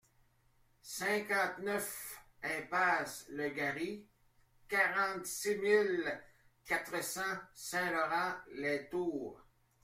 cinquante-neuf impasse le Gary, quarante-six mille quatre cents Saint-Laurent-les-Tours